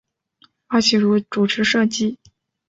花琦如主持设计。